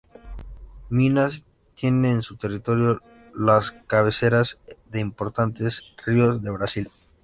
Minas tiene en su territorio las cabeceras de importantes ríos de Brasil.